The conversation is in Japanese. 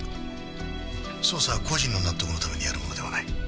捜査は個人の納得のためにやるものではない。